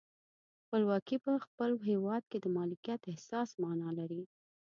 خپلواکي په خپل هیواد کې د مالکیت احساس معنا لري.